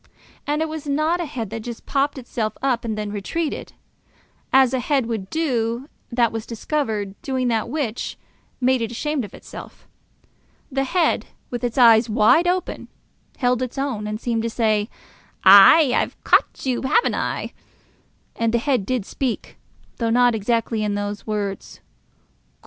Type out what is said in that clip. And it was not a head that just popped itself up and then retreated, as a head would do that was discovered doing that which made it ashamed of itself. The head, with its eyes wide open, held its own, and seemed to say, "Ay, I've caught you, have I?" And the head did speak, though not exactly in those words.